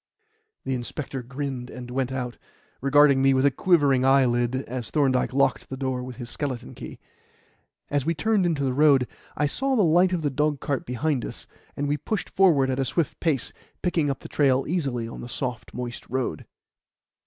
The inspector grinned and went out, regarding me with a quivering eyelid as Thorndyke locked the door with his skeleton key. As we turned into the road, I saw the light of the dogcart behind us, and we pushed forward at a swift pace, picking up the trail easily on the soft, moist road.